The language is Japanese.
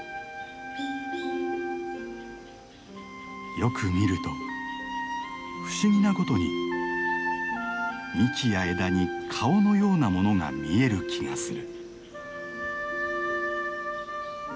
よく見ると不思議なことに幹や枝に顔のようなものが見える気がする。